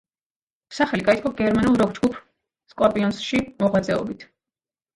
სახელი გაითქვა გერმანულ როკ-ჯგუფ, სკორპიონსში მოღვაწეობით.